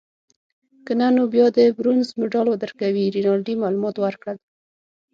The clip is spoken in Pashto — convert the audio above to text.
که نه نو بیا د برونزو مډال درکوي. رینالډي معلومات ورکړل.